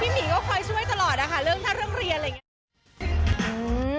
หมีก็คอยช่วยตลอดนะคะเรื่องถ้าเรื่องเรียนอะไรอย่างนี้